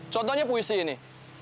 contohnya puisi ini